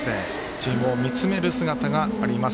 チームを見つめる姿があります。